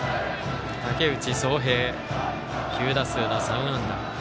竹内颯平、９打数３安打。